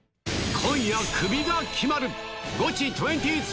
今夜クビが決まる。